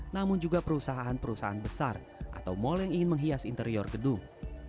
namun juga perusahaan perusahaan besar atau mal yang ingin menghias interior gedung